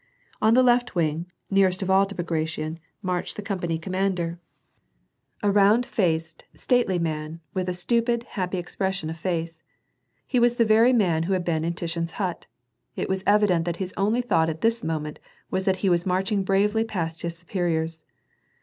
On the left wing, nearest of all to Bagration, marched the company commander, WAR AND PEACE. 210 a round faced, stately man, with a stupid, happy expression of face. He was the very man who had been in Tushin's hut. It was evident that his only thought at this moment was that he was marching bravely past his superiors.